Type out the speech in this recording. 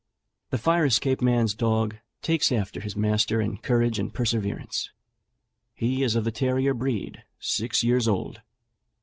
"The fire escape man's dog takes after his master in courage and perseverance. He is of the terrier breed, six years old.